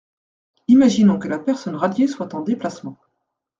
Imaginons que la personne radiée soit en déplacement.